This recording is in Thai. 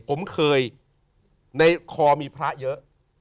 ผมเคยในคอมีพระเยอะ